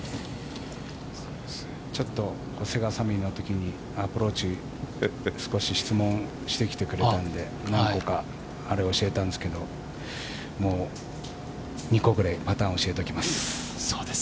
ちょっとセガサミーのときにアプローチ少し質問してきてくれたので教えたんですけどもう２個くらいパターンを教えときます。